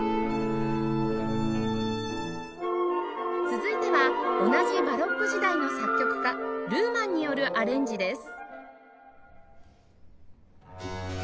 続いては同じバロック時代の作曲家ルーマンによるアレンジです